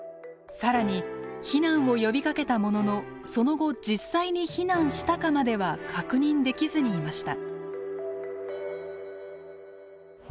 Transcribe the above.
更に避難を呼びかけたもののその後実際に避難したかまでは確認できずにいました。